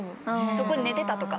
そこに寝てたとか。